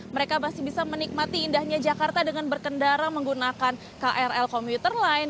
mereka masih bisa menikmati indahnya jakarta dengan berkendara menggunakan krl komuter line